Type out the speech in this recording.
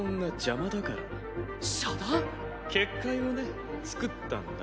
結界をね作ったんだ。